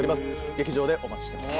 劇場でお待ちしてます